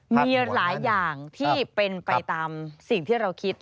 มีหลายอย่างที่เป็นไปตามสิ่งที่เราคิด